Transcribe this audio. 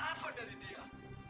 apa dari dia